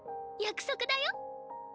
約束だよ。